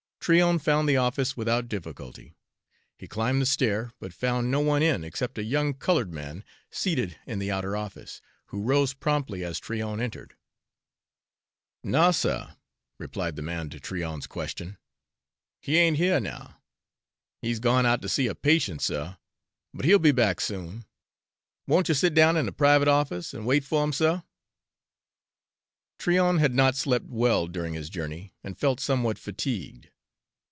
Tryon found the office without difficulty. He climbed the stair, but found no one in except a young colored man seated in the outer office, who rose promptly as Tryon entered. "No, suh," replied the man to Tryon's question, "he ain't hyuh now. He's gone out to see a patient, suh, but he'll be back soon. Won't you set down in de private office an' wait fer 'im, suh?" Tryon had not slept well during his journey, and felt somewhat fatigued.